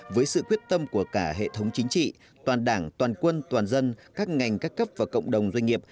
với sự quyết tâm của cả hệ thống chính trị toàn đảng toàn quân toàn dân các ngành các cấp và cộng đồng doanh nghiệp